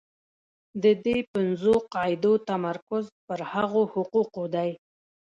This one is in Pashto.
د دې پنځو قاعدو تمرکز پر هغو حقوقو دی.